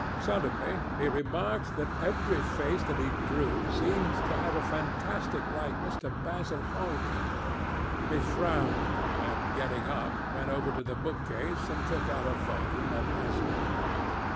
Suddenly he remarked that every face that he drew seemed to have a fantastic likeness to Basil Hallward. He frowned, and getting up, went over to the book case and took out a volume at hazard.